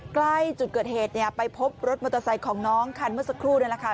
ใกล้จุดเกิดเหตุเนี่ยไปพบรถมอเตอร์ไซค์ของน้องคันเมื่อสักครู่นี่แหละค่ะ